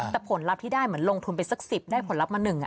แต่ผลลัพธ์ที่ได้เหมือนลงทุนไปสัก๑๐ได้ผลลัพธมา๑